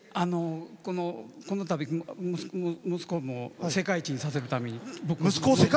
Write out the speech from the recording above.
このたび、息子を世界一にさせるために。